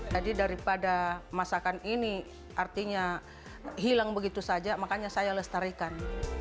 jadi daripada masakan ini artinya hilang begitu saja makanya saya lestarikan